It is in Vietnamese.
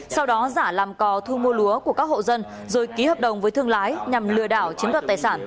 sau đó giả làm cò thu mua lúa của các hộ dân rồi ký hợp đồng với thương lái nhằm lừa đảo chiếm đoạt tài sản